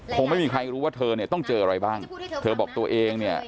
คงไม่มีใครรู้ว่าเธอเนี่ยต้องเจออะไรบ้างเธอบอกตัวเองเนี่ย